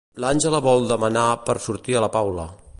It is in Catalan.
L'Àngela vol demanar per sortir a la Paula.